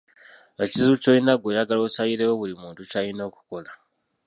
Ekizibu kyolina ggwe oyagala osalirewo buli muntu kyalina okukola.